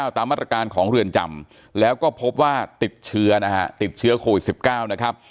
ตามมาตรการของเรือนจำแล้วก็พบว่าติดเชื้อนะฮะติดเชื้อโควิด๑๙นะครับ